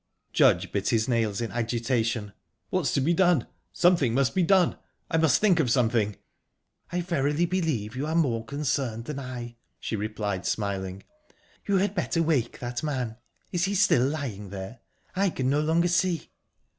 Judge bit his nails in agitation. "What's to be done? Something must be done. I must think of something..." "I verily believe you are more concerned than I," she replied smiling. "You had better wake that man. Is he still lying there? I can no longer see."